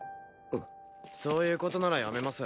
そういう事ならやめます。